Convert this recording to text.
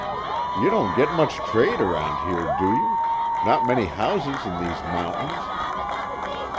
"You don't get much trade around here, do you? Not many houses in these mountains."